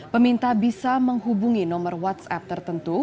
peminta bisa menghubungi nomor whatsapp tertentu